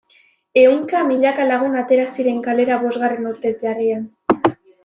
Ehunka milaka lagun atera ziren kalera bosgarren urtez jarraian.